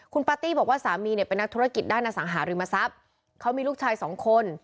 คุณปาร์ตี้บอกว่าสามีเนี่ยเป็นนักธุรกิจด้านอสังหาริมทรัพย์เขามีลูกชายสองคน